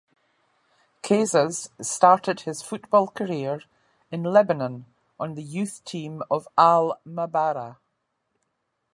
Kassas started his football career in Lebanon on the youth team of Al-Mabarrah.